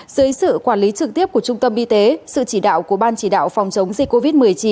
dưới sự quản lý trực tiếp của trung tâm y tế sự chỉ đạo của ban chỉ đạo phòng chống dịch covid một mươi chín